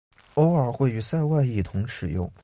偶尔会与塞外一同使用。